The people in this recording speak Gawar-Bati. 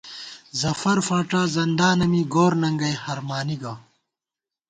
ظفر فاڄا زندانہ می گور ننگئ ہرمانی گہ